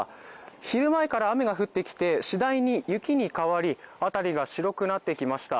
昼前から雨が降ってきて、しだいに雪に変わり辺りが白くなってきました。